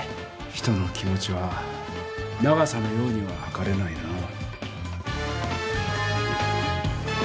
人の気持ちは長さのようにははかれないなぁ。